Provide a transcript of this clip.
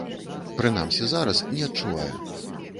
Прынамсі, зараз не адчуваю.